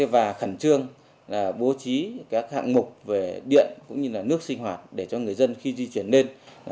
và khẩn trương bố trí các hạng mục về điện cũng như là nước sinh hoạt để cho người dân khi di chuyển lên